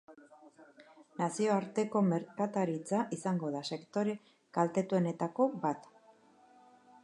Nazioarteko merkataritza izango da sektore kaltetuenetako bat.